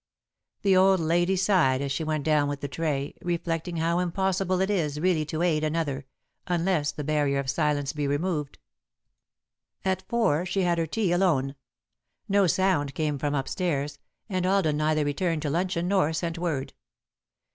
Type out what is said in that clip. The old lady sighed as she went down with the tray, reflecting how impossible it is really to aid another, unless the barrier of silence be removed. At four, she had her tea alone. No sound came from up stairs, and Alden neither returned to luncheon nor sent word.